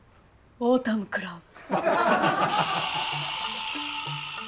オータムクラブ！